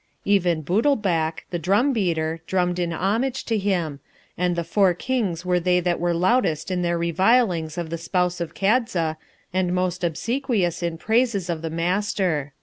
Even Bootlbac, the drum beater, drummed in homage to him, and the four Kings were they that were loudest in their revilings of the spouse of Kadza, and most obsequious in praises of the Master.